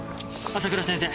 朝倉先生